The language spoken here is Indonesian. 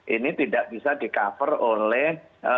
ini tidak bisa di cover oleh